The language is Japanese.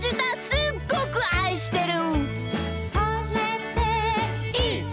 「すっごくあいしてる！」